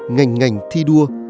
ngành ngành thi đua